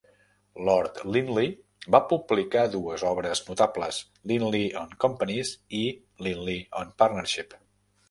Lord Lindley va publicar dues obres notables, "Lindley on Companies" i "Lindley on Partnership".